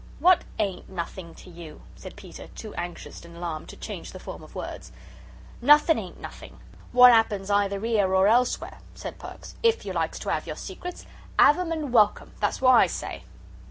"What AIN'T nothing to you?" said Peter, too anxious and alarmed to change the form of words. "Nothing ain't nothing. What 'appens either 'ere or elsewhere," said Perks; "if you likes to 'ave your secrets, 'ave 'em and welcome. That's what I say."